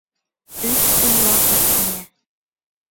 — Өс көн ваҡыт һиңә.